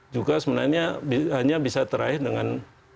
juga sebenarnya hanya bisa teraih dengan